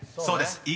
［そうです。